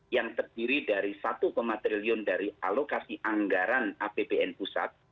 yang terdiri dari satu triliun dari alokasi anggaran apbn pusat